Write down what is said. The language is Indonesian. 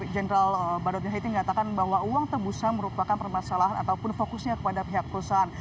jenderal badut ninhaiti mengatakan bahwa uang tebusan merupakan permasalahan ataupun fokusnya kepada pihak perusahaan